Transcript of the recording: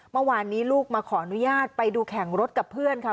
เมื่อวานนี้ลูกมาขออนุญาตไปดูแข่งรถกับเพื่อนค่ะ